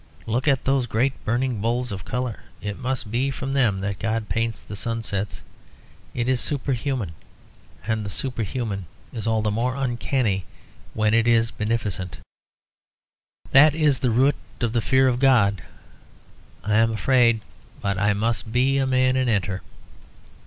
Look at those great burning bowls of colour. It must be from them that God paints the sunsets. It is superhuman, and the superhuman is all the more uncanny when it is beneficent. That is the root of the fear of God. I am afraid. But I must be a man and enter."